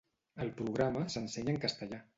El programa s'ensenya en castellà.